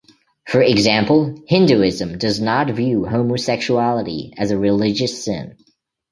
For example, Hinduism does not view homosexuality as a religious sin.